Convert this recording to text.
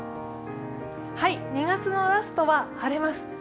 ２月のラストは晴れます。